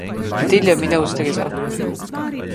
Nedelja mi ne ustreza.